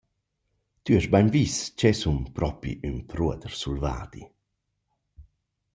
Tü hast bain vis ch’eu sun propi ün pruoder sulvadi!»